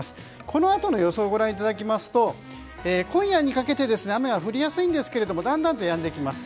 このあとの予想をご覧いただきますと今夜にかけて雨は降りやすいんですけれどもだんだんとやんできます。